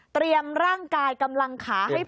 เตรียมร่างกายกำลังขาให้พร้อม